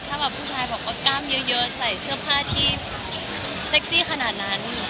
ถ้าแบบผู้ชายบอกว่ากล้ามเยอะใส่เสื้อผ้าที่เซ็กซี่ขนาดนั้น